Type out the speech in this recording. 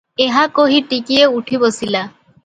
ଏହା କହି ଟିକିଏ ଉଠି ବସିଲା ।